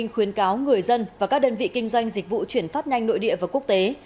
khuyến cáo người dân và các đơn vị kinh doanh dịch vụ chuyển phát nhanh nội địa và quốc tế